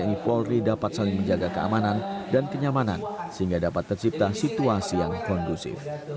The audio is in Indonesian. tni polri dapat saling menjaga keamanan dan kenyamanan sehingga dapat tercipta situasi yang kondusif